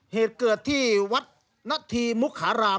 เหตุเกิดที่วัดนัตฑีมุคหาราม